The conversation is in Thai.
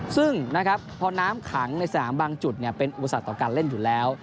ซึ่งพอน้ำขังในสนามบางจุดเป็นอุปสรรคต่อการเล่นอยู่แล้ว